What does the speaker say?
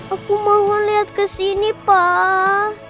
aku mohon lihat kesini pak